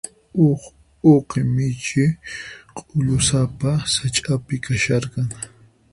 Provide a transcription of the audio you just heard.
Huk uqi michi k'ullusapa sach'api kasharqan.